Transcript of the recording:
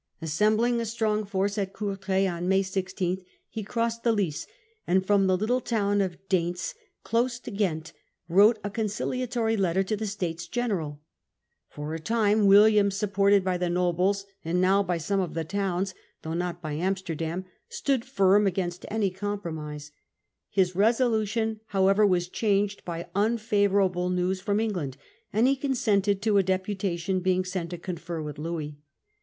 Assembling a strong force at Courtrai on May 16, he passed the Lys, and from the little town of Deynse, close to Ghent, wrote a States conciliatory letter to the States General. For General a time William, supported by the nobles, and deputation now by some of the towns, though not by to Louis. Amsterdam, stood firm against any compro mise. His resolution however was changed by un favourable news from England, and he consented to a deputation being sent to confer with Louis.